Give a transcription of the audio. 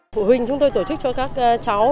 phụ huynh chúng tôi tổ chức cho các cháu